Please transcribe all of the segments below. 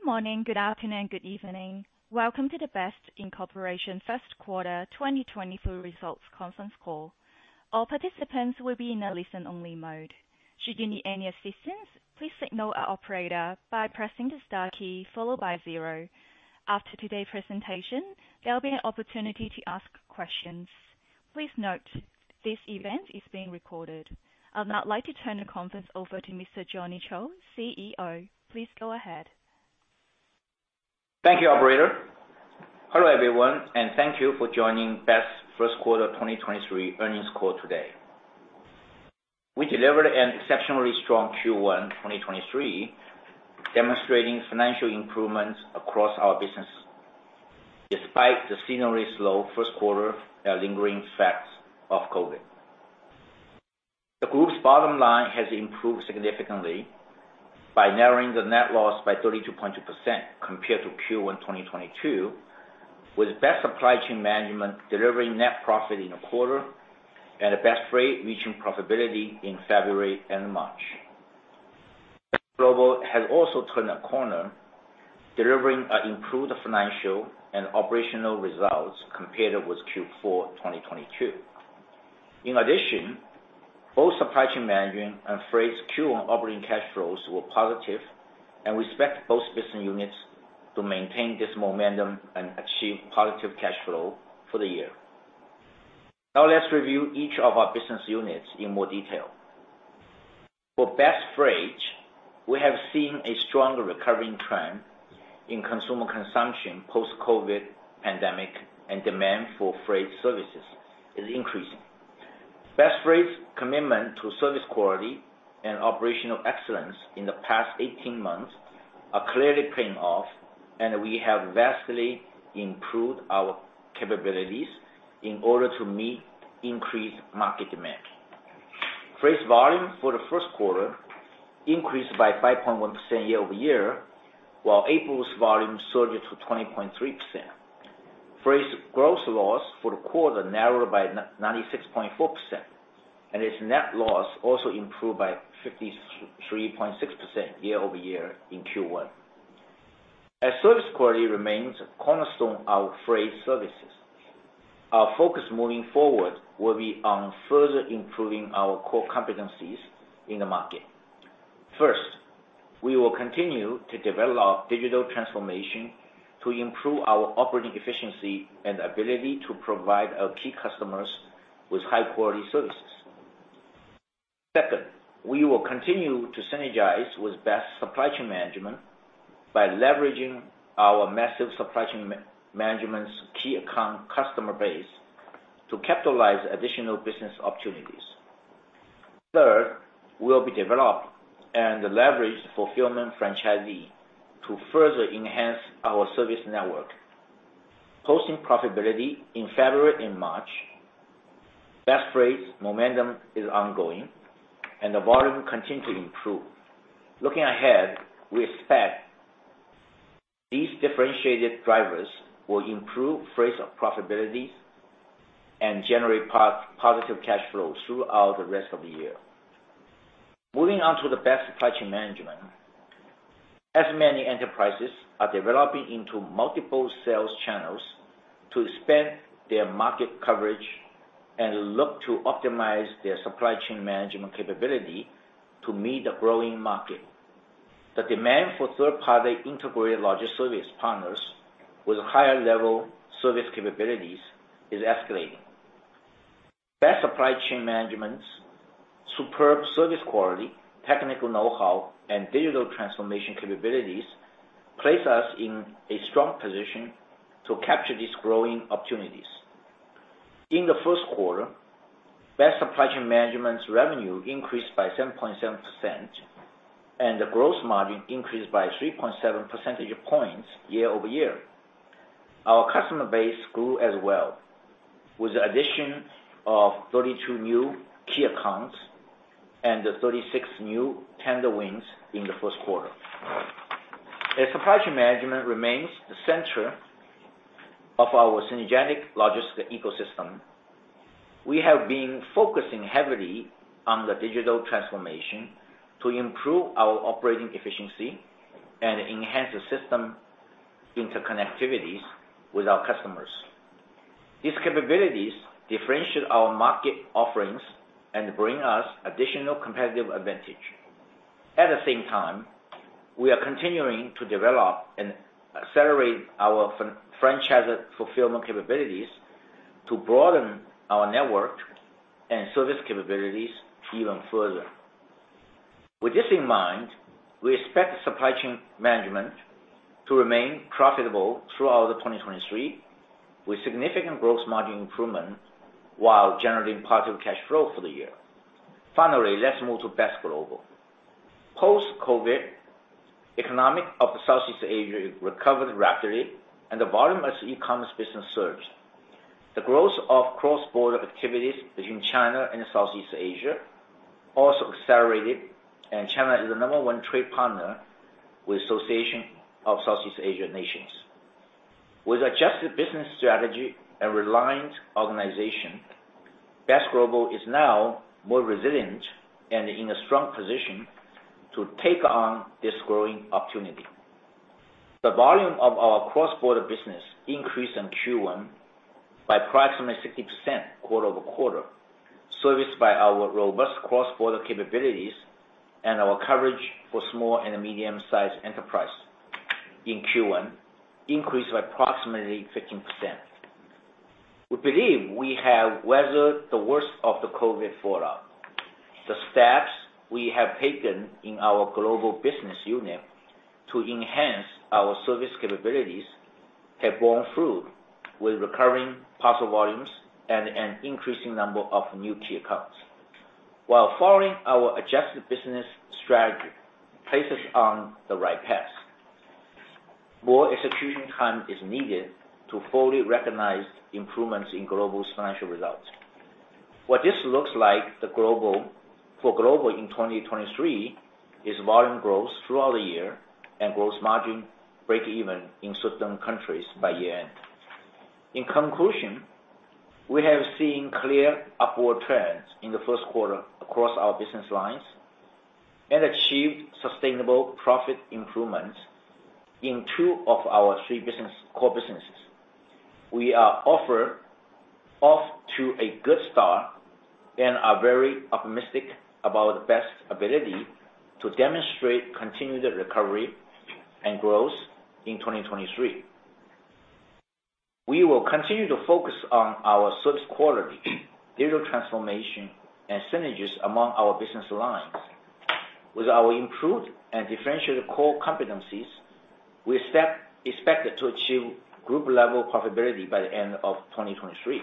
Good morning, good afternoon, good evening. Welcome to the BEST Inc. First Quarter 2024 Results Conference Call. All participants will be in a listen-only mode. Should you need any assistance, please signal our operator by pressing the star key followed by zero. After today's presentation, there'll be an opportunity to ask questions. Please note, this event is being recorded. I'd now like to turn the conference over to Mr. Johnny Chou, CEO. Please go ahead. Thank you, operator. Hello, everyone, and thank you for joining BEST Q1 2023 earnings call today. We delivered an exceptionally strong Q1 2023, demonstrating financial improvements across our business, despite the seasonally slow first quarter, lingering effects of COVID. The group's bottom line has improved significantly by narrowing the net loss by 32.2% compared to Q1 2022, with BEST Supply Chain Management delivering net profit in a quarter and BEST Freight reaching profitability in February and March. BEST Global has also turned a corner, delivering an improved financial and operational results compared with Q4 2022. In addition, both BEST Supply Chain Management and BEST Freight's Q1 operating cash flows were positive. We expect both business units to maintain this momentum and achieve positive cash flow for the year. Now, let's review each of our business units in more detail. For BEST Freight, we have seen a strong recovering trend in consumer consumption post-COVID pandemic, and demand for freight services is increasing. BEST Freight's commitment to service quality and operational excellence in the past 18 months are clearly paying off, and we have vastly improved our capabilities in order to meet increased market demand. Freight's volume for the first quarter increased by 5.1% year-over-year, while April's volume surged to 20.3%. Freight's gross loss for the quarter narrowed by 96.4%, and its net loss also improved by 53.6% year-over-year in Q1. As service quality remains a cornerstone of our freight services, our focus moving forward will be on further improving our core competencies in the market. First, we will continue to develop our digital transformation to improve our operating efficiency and ability to provide our key customers with high-quality services. Second, we will continue to synergize with BEST Supply Chain Management by leveraging our massive Supply Chain Management's key account customer base to capitalize additional business opportunities. Third, we'll be developed and leverage fulfillment franchisee to further enhance our service network. Posting profitability in February and March, BEST Freight's momentum is ongoing, and the volume continue to improve. Looking ahead, we expect these differentiated drivers will improve Freight's profitabilities and generate positive cash flow throughout the rest of the year. Moving on to the BEST Supply Chain Management. As many enterprises are developing into multiple sales channels to expand their market coverage and look to optimize their Supply Chain Management capability to meet the growing market, the demand for third-party integrated logistics service partners with higher level service capabilities is escalating. BEST Supply Chain Management's superb service quality, technical know-how, and digital transformation capabilities place us in a strong position to capture these growing opportunities. In the first quarter, BEST Supply Chain Management's revenue increased by 7.7%, and the gross margin increased by 3.7 percentage points year-over-year. Our customer base grew as well, with the addition of 32 new key accounts and 36 new tender wins in the first quarter. As Supply Chain Management remains the center of our synergetic logistic ecosystem, we have been focusing heavily on the digital transformation to improve our operating efficiency and enhance the system interconnectivities with our customers. These capabilities differentiate our market offerings and bring us additional competitive advantage. At the same time, we are continuing to develop and accelerate our franchised fulfillment capabilities to broaden our network and service capabilities even further. With this in mind, we expect Supply Chain Management to remain profitable throughout 2023, with significant gross margin improvement, while generating positive cash flow for the year. Let's move to BEST Global. Post-COVID, economic of Southeast Asia recovered rapidly. The volume of e-commerce business surged. The growth of cross-border activities between China and Southeast Asia also accelerated. China is the number one trade partner with Association of Southeast Asian Nations. With adjusted business strategy and reliant organization, BEST Global is now more resilient and in a strong position to take on this growing opportunity. The volume of our cross-border business increased in Q1 by approximately 60% quarter-over-quarter, serviced by our robust cross-border capabilities and our coverage for small and medium-sized enterprise in Q1 increased by approximately 15%. We believe we have weathered the worst of the COVID fallout. The steps we have taken in our global business unit to enhance our service capabilities have borne fruit with recurring parcel volumes and an increasing number of new key accounts. While following our adjusted business strategy places on the right path, more execution time is needed to fully recognize improvements in global financial results. What this looks like for Global in 2023 is volume growth throughout the year, and gross margin breakeven in certain countries by year-end. In conclusion, we have seen clear upward trends in the first quarter across our business lines, and achieved sustainable profit improvements in two of our three core businesses. We are off to a good start and are very optimistic about the BEST ability to demonstrate continued recovery and growth in 2023. We will continue to focus on our service quality, digital transformation, and synergies among our business lines. With our improved and differentiated core competencies, we expected to achieve group level profitability by the end of 2023.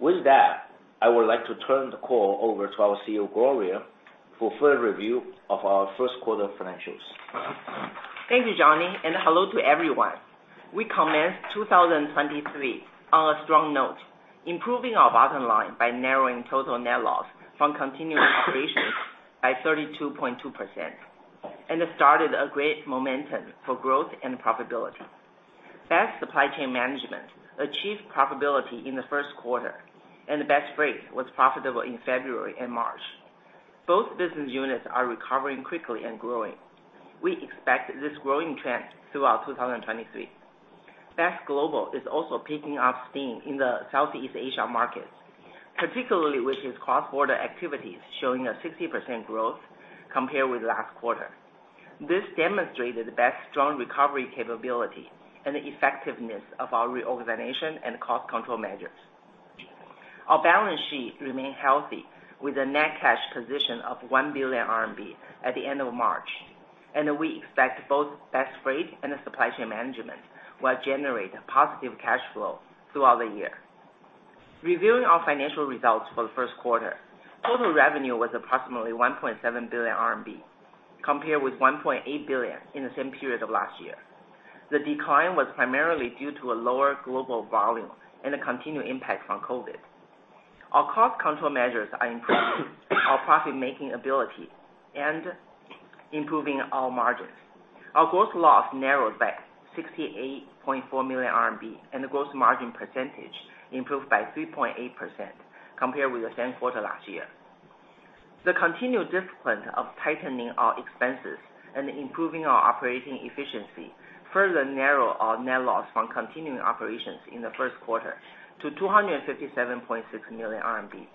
With that, I would like to turn the call over to our CFO, Gloria, for further review of our first quarter financials. Thank you, Johnny, and hello to everyone. We commenced 2023 on a strong note, improving our bottom line by narrowing total net loss from continuing operations by 32.2%, and started a great momentum for growth and profitability. BEST Supply Chain Management achieved profitability in the first quarter, and BEST Freight was profitable in February and March. Both business units are recovering quickly and growing. We expect this growing trend throughout 2023. BEST Global is also picking up steam in the Southeast Asia markets, particularly with its cross-border activities, showing a 60% growth compared with last quarter. This demonstrated BEST strong recovery capability and the effectiveness of our reorganization and cost control measures. Our balance sheet remained healthy, with a net cash position of 1 billion RMB at the end of March. We expect both BEST Freight and BEST Supply Chain Management will generate a positive cash flow throughout the year. Reviewing our financial results for the first quarter, total revenue was approximately 1.7 billion RMB, compared with 1.8 billion in the same period of last year. The decline was primarily due to a lower global volume and a continued impact from COVID. Our cost control measures are improving our profit-making ability and improving our margins. Our gross loss narrowed by 68.4 million RMB. The gross margin percentage improved by 3.8% compared with the same quarter last year. The continued discipline of tightening our expenses and improving our operating efficiency further narrow our net loss from continuing operations in the first quarter to 257.6 million RMB,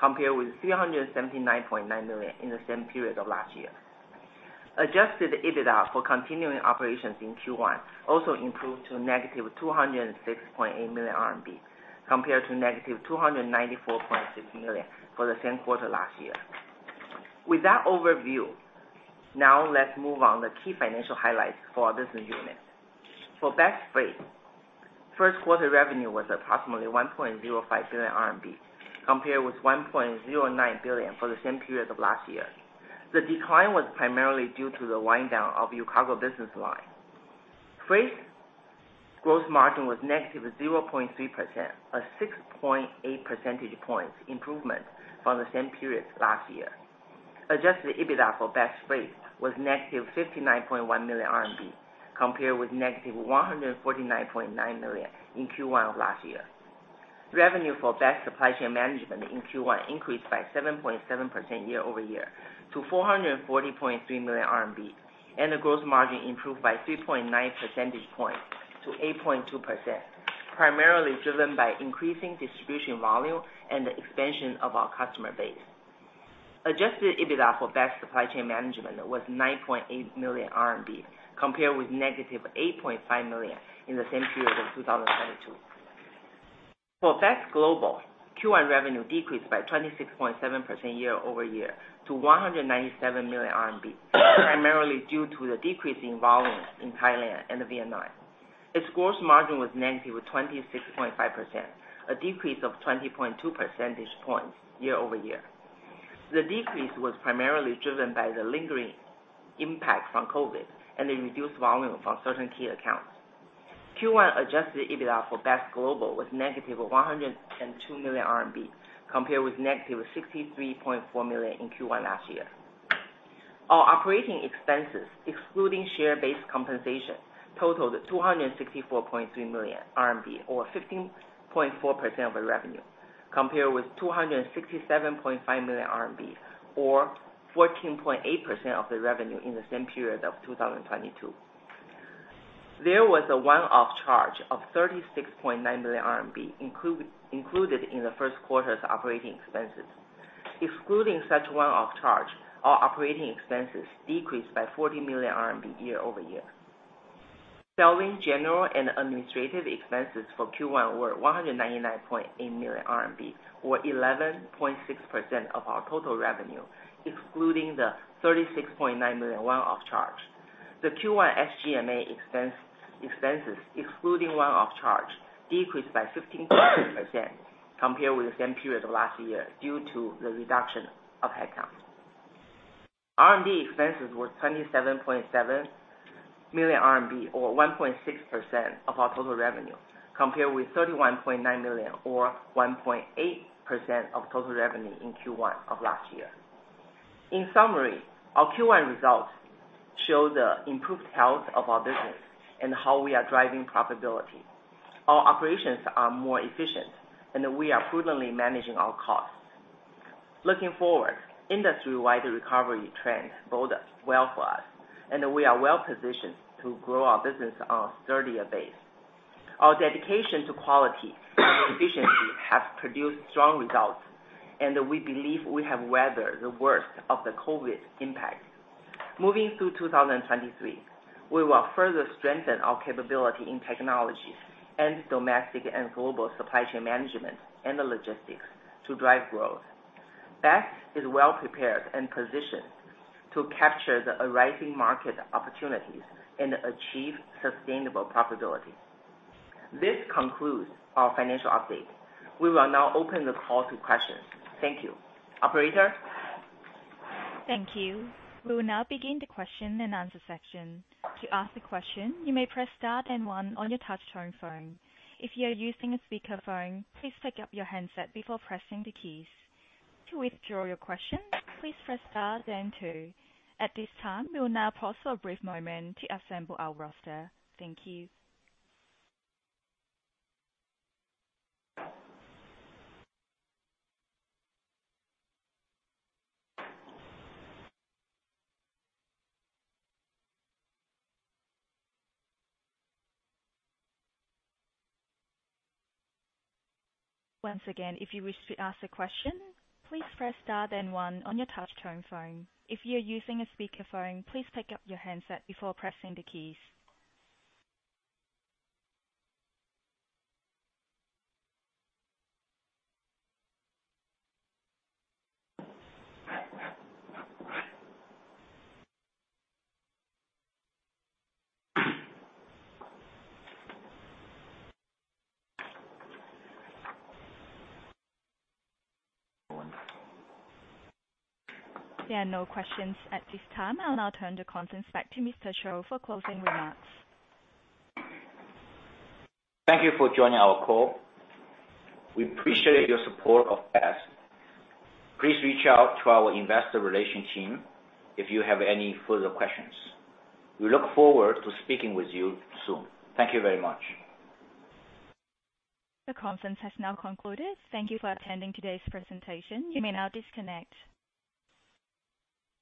compared with 379.9 million in the same period of last year. Adjusted EBITDA for continuing operations in Q1 also improved to -206.8 million RMB, compared to -294.6 million for the same quarter last year. With that overview, now let's move on the key financial highlights for our business unit. For BEST Freight, first quarter revenue was approximately 1.05 billion RMB, compared with 1.09 billion for the same period of last year. The decline was primarily due to the wind down of UCargo business line. Freight gross margin was -0.3%, a 6.8 percentage points improvement from the same period last year. Adjusted EBITDA for BEST Freight was -59.1 million RMB, compared with -149.9 million in Q1 of last year. Revenue for BEST Supply Chain Management in Q1 increased by 7.7% year-over-year to 440.3 million RMB, and the gross margin improved by 3.9 percentage points to 8.2%, primarily driven by increasing distribution volume and the expansion of our customer base. Adjusted EBITDA for BEST Supply Chain Management was 9.8 million RMB, compared with -8.5 million in the same period of 2022. For BEST Global, Q1 revenue decreased by 26.7% year-over-year to 197 million RMB, primarily due to the decrease in volume in Thailand and Vietnam. Its gross margin was -26.5%, a decrease of 20.2 percentage points year-over-year. The decrease was primarily driven by the lingering impact from COVID and the reduced volume from certain key accounts. Q1 adjusted EBITDA for BEST Global was -102 million RMB, compared with -63.4 million in Q1 last year. Our operating expenses, excluding share-based compensation, totaled 264.3 million RMB, or 15.4% of the revenue, compared with 267.5 million RMB, or 14.8% of the revenue in the same period of 2022. There was a one-off charge of 36.9 million RMB included in the first quarter's operating expenses. Excluding such one-off charge, our operating expenses decreased by 40 million RMB year-over-year. Selling, general, and administrative expenses for Q1 were 199.8 million RMB, or 11.6% of our total revenue, excluding the 36.9 million one-off charge. The Q1 SG&A expenses, excluding one-off charge, decreased by 15.6% compared with the same period of last year due to the reduction of headcount. R&D expenses were 27.7 million RMB, or 1.6% of our total revenue, compared with 31.9 million, or 1.8% of total revenue in Q1 of last year. In summary, our Q1 results show the improved health of our business and how we are driving profitability. Our operations are more efficient, and we are prudently managing our costs. Looking forward, industry-wide recovery trends bode well for us, and we are well positioned to grow our business on a sturdier base. Our dedication to quality and efficiency have produced strong results, and we believe we have weathered the worst of the COVID impact. Moving through 2023, we will further strengthen our capability in technology and domestic and global Supply Chain Management and the logistics to drive growth. BEST is well prepared and positioned to capture the arising market opportunities and achieve sustainable profitability. This concludes our financial update. We will now open the call to questions. Thank you. Operator? Thank you. We will now begin the question-and-answer section. To ask a question, you may press star then one on your touchtone phone. If you are using a speakerphone, please pick up your handset before pressing the keys. To withdraw your question, please press star then two. At this time, we will now pause for a brief moment to assemble our roster. Thank you. Once again, if you wish to ask a question, please press star then one on your touchtone phone. If you are using a speakerphone, please pick up your handset before pressing the keys. There are no questions at this time. I'll now turn the conference back to Mr. Chou for closing remarks. Thank you for joining our call. We appreciate your support of BEST. Please reach out to our investor relations team if you have any further questions. We look forward to speaking with you soon. Thank you very much. The conference has now concluded. Thank you for attending today's presentation. You may now disconnect.